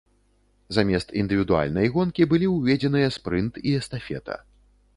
Замест індывідуальнай гонкі былі ўведзеныя спрынт і эстафета.